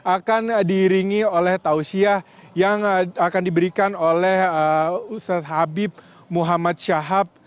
akan diiringi oleh tausiah yang akan diberikan oleh ustadz habib muhammad syahab